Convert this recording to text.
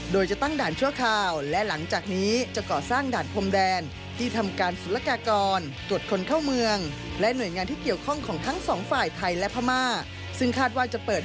โดยจะตั้งด่านชั่วคาว